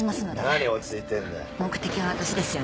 何落ち着いてるんだよ。